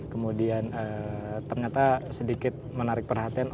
kemudian ternyata sedikit menarik perhatian